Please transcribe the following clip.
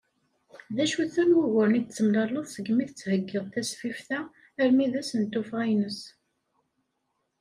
D acu-ten wuguren i d-temlaleḍ segmi tettheggiḍ tasfift-a armi d ass n tuffɣa-ines?